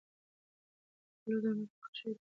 د غلو- دانو پخه شوې ډوډۍ صحي ده.